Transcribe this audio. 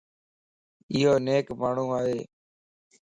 ايو نيڪ ماڻھو ائي.